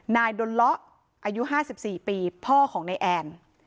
ดนเลาะอายุ๕๔ปีพ่อของนายแอน